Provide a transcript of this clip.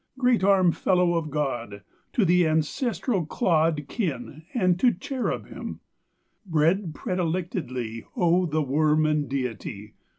Great arm fellow of God! To the ancestral clod Kin, And to cherubin; Bread predilectedly O' the worm and Deity!